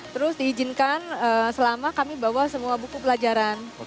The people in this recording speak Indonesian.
terus diizinkan selama kami bawa semua buku pelajaran